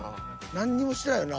何にもしてないよな。